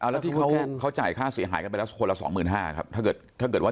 แล้วเขาจ่ายค่าศิลป์หายกันไปละคนละ๒๕๐๐๐ครับ